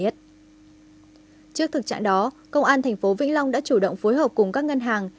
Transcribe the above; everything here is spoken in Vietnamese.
trước thực trạng đó công an tp vĩnh long đã chủ động phối hợp cùng các ngân hàng